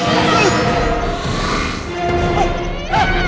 ayolah ikut aku